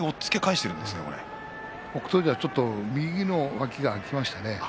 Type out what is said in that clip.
富士は右の脇が空きましたね。